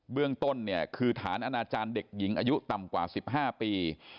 เรื่องต้นเนี่ยคือฐานอนาจารย์เด็กหญิงอายุต่ำกว่า๑๕ปี